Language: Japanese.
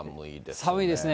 寒いですね。